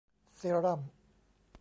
เซรั่ม